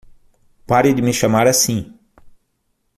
Pare de me chamar assim!